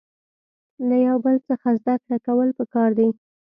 له یو بل څخه زده کړه کول پکار دي.